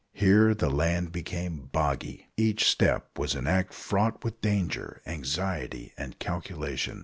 Here the land became boggy. Each step was an act fraught with danger, anxiety, and calculation.